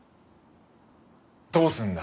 どうするんだ？